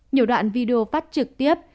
nhiều đoạn video phát trực tiếp